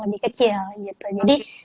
lebih kecil jadi